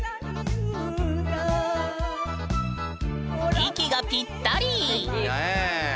息がぴったり！